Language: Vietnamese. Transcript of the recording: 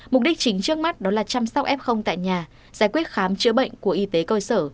mục đích chính trước mắt đó là chăm sóc f tại nhà giải quyết khám chữa bệnh của y tế cơ sở